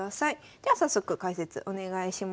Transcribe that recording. では早速解説お願いします。